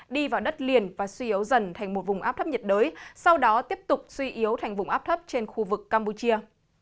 đi vào đất liền và suy yếu dần thành một vùng áp thấp nhiệt đới sau đó tiếp tục suy yếu thành vùng áp thấp trên khu vực campuchia